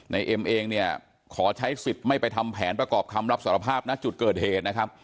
เอ็มเองเนี่ยขอใช้สิทธิ์ไม่ไปทำแผนประกอบคำรับสารภาพณจุดเกิดเหตุนะครับ